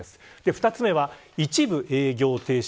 ２つ目は、一部営業停止。